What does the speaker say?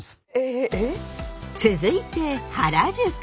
続いて原宿。